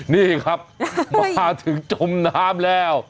นี่ครับมาถึงจมน้ำแล้ว